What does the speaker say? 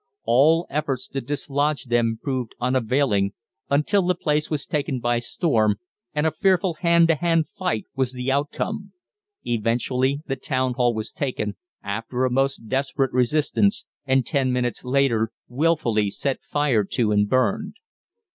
All efforts to dislodge them proved unavailing, until the place was taken by storm, and a fearful hand to hand fight was the outcome. Eventually the Town Hall was taken, after a most desperate resistance, and ten minutes later wilfully set fire to and burned.